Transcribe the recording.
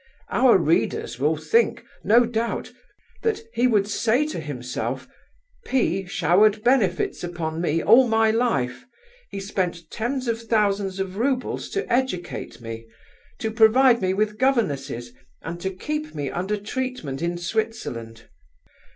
Our readers will think, no doubt, that he would say to himself: 'P—— showered benefits upon me all my life; he spent tens of thousands of roubles to educate me, to provide me with governesses, and to keep me under treatment in Switzerland.